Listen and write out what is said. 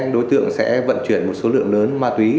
đối tượng sẽ vận chuyển một số lượng lớn ma túy